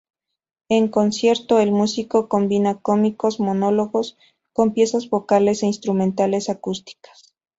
En concierto, el músico combina cómicos monólogos con piezas vocales e instrumentales acústicas.